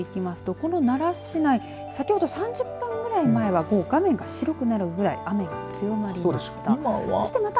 この奈良市内先ほど３０分ぐらい前は画面が白くなるぐらい雨が強まりました。